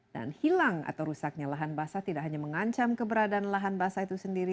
dan hilang atau rusaknya lahan basah tidak hanya mengancam keberadaan lahan basah itu sendiri